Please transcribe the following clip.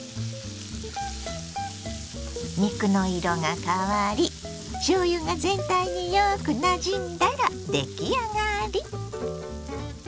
肉の色が変わりしょうゆが全体によくなじんだら出来上がり。